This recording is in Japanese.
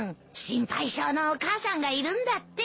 心配性のお母さんがいるんだって。